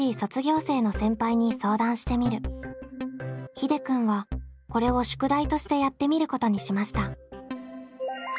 ひでくんはこれを宿題としてやってみることにしました。